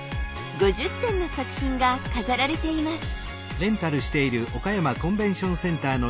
５０点の作品が飾られています。